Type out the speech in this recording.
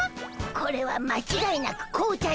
これはまちがいなく紅茶でしゅよ。